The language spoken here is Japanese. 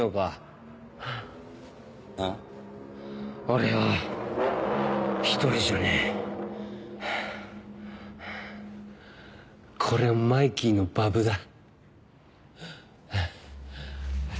・俺は一人じゃねえ。これはマイキーのバブだ。